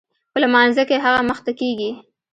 په لمانځه کښې هغه مخته کېږي.